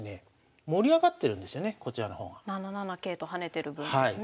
７七桂と跳ねてる分ですね。